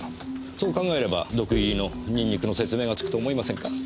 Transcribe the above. そう考えれば毒入りのニンニクの説明がつくと思いませんか？